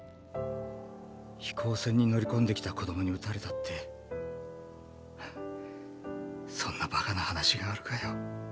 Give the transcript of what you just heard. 飛行船に乗り込んできた子供に撃たれたって？はそんなバカな話があるかよ。